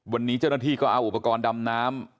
วันนี้เจ้าหน้าที่ก็เอาอุปกรณ์ดำน้ำ